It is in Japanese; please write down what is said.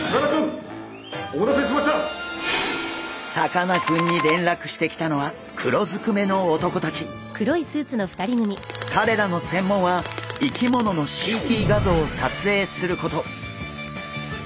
さかなクンにれんらくしてきたのはかれらの専門は生き物のＣＴ画像をさつえいすること。